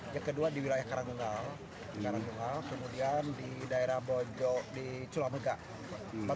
yang kedua di wilayah karangungal kemudian di daerah bojo di culamuga